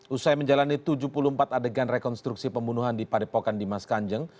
usai menjalani tujuh puluh empat adegan rekonstruksi pembunuhan di padepokan dimas kanjeng